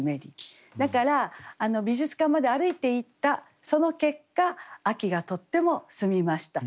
だから美術館まで歩いていったその結果秋がとっても澄みました。